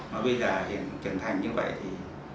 mà bây giờ hiện trở thành như vậy